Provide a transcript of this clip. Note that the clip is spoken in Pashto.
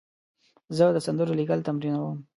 زه د سندرو لیکل تمرینوم.